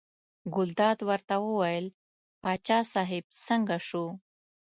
ګلداد ورته وویل باچا صاحب څنګه شو.